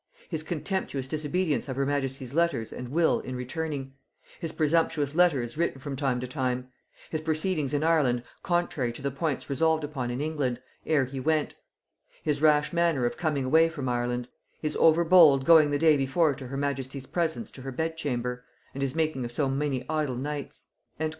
"His contemptuous disobedience of her majesty's letters and will in returning: his presumptuous letters written from time to time: his proceedings in Ireland contrary to the points resolved upon in England, ere he went: his rash manner of coming away from Ireland: his overbold going the day before to her majesty's presence to her bed chamber: and his making of so many idle knights."